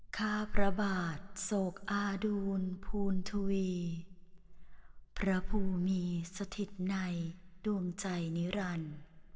ข้าพระบาทโศกอาดูลภูณทวีพระภูมิมีสถิตในดวงใจนิรันดิ์